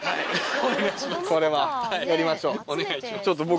お願いします。